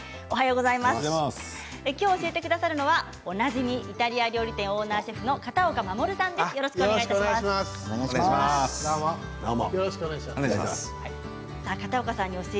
今日、教えてくださるのはおなじみ、イタリア料理店オーナーシェフの片岡護さんです。